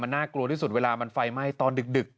น่ากลัวที่สุดเวลามันไฟไหม้ตอนดึก